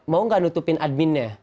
mau nggak nutupin adminnya